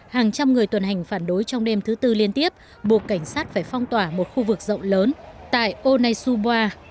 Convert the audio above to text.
hàng trăm người tuần hành phản đối trong đêm thứ tư liên tiếp buộc cảnh sát phải phong tỏa một khu vực rộng lớn tại onaisubwa